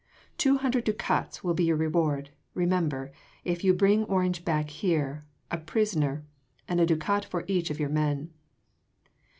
Two hundred ducats will be your reward, remember, if you bring Orange back here a prisoner and a ducat for each of your men."